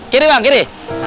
kiri bang kiri